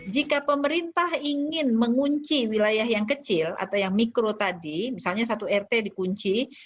jika pemerintah ingin mengunci wilayah yang kecil atau yang mikro tadi misalnya satu rt dikunci